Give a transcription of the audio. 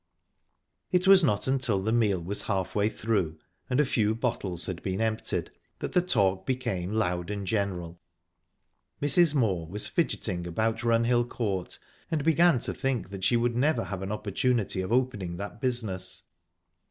It was not until the meal was halfway through and a few bottles had been emptied, that the talk became loud and general. Mrs. Moor was fidgeting about Runhill Court, and began to think that she would never have an opportunity of opening that business.